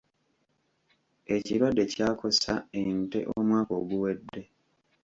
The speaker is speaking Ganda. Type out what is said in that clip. Ekirwadde kyakosa ente omwaka oguwedde.